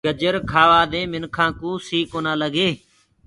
گجر کآوآ دي منکآنٚ ڪوُ سي ڪونآ لگي۔